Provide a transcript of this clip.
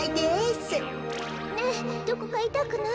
ねえどこかいたくない？